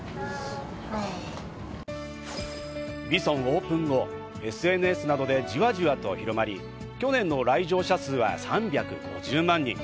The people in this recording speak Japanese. ＶＩＳＯＮオープン後、ＳＮＳなどでじわじわと広まり、去年の来場者数は３５０万人。